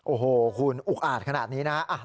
โอ้โหคุณอุกอาจขนาดนี้นะ